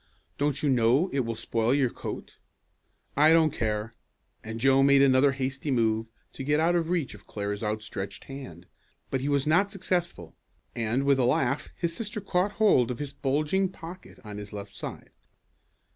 Don't you know it will spoil your coat?" "I don't care," and Joe made another hasty move to get out of reach of Clara's outstretched hand. But he was not successful, and, with a laugh, his sister caught hold of the bulging pocket on his left side.